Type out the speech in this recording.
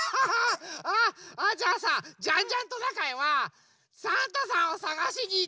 じゃあさジャンジャントナカイはサンタさんをさがしにいってくるよ！